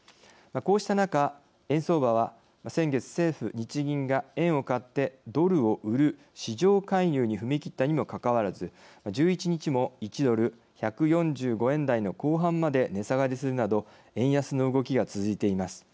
こうした中、円相場は先月、政府日銀が円を買ってドルを売る市場介入に踏み切ったにもかかわらず１１日も１ドル１４５円台の後半まで値下がりするなど円安の動きが続いています。